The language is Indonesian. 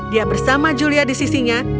dia bersama julia di sisinya